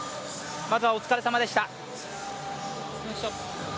まずはお疲れさまでした。